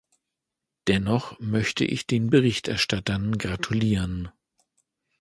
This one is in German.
Dennoch möchte ich den Berichterstattern gratulieren.